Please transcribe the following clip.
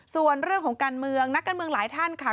ส่วนเรื่องของการเมืองนักการเมืองหลายท่านค่ะ